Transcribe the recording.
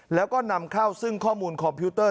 แล้วก็นำเข้าซึ่งข้อมูลคอมพิวเตอร์